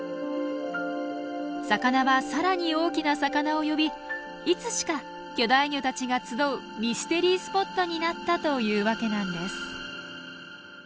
魚は更に大きな魚を呼びいつしか巨大魚たちが集うミステリースポットになったというわけなんです。